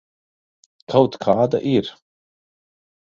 Kaut kāda ir.